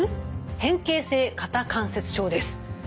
変形性肩関節症です。